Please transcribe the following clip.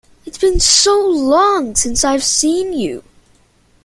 It has been so long since I have seen you!